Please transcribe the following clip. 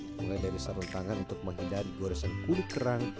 mulai dari serentangan untuk menghindari goresan kulit kerang